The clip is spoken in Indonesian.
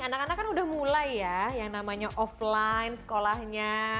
anak anak kan udah mulai ya yang namanya offline sekolahnya